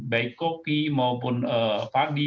baik kopi maupun padi